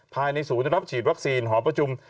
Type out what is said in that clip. ภายในศูนย์รับฉีดวัคซีนหอประชุม